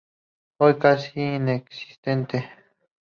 Hoy casi inexistente.